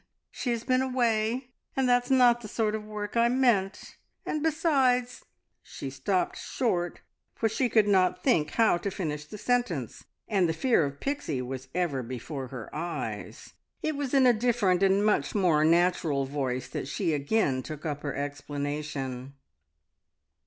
She has been away, and that's not the sort of work I meant; and besides " She stopped short, for she could not think how to finish the sentence, and the fear of Pixie was ever before her eyes. It was in a different and much more natural voice that she again took up her explanation.